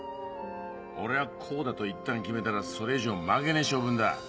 俺はこうだといったん決めたらそれ以上曲げねえ性分だ